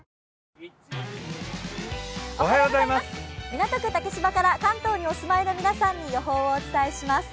港区竹芝から関東にお住まいの皆さんに予報をお伝えします。